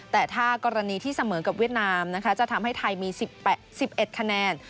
แต่ถ้ากรณีที่เสมอกับเวียดนามนะคะจะทำให้ไทยมี๑๑คะแนน